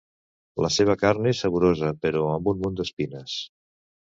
La seua carn és saborosa però amb un munt d'espines.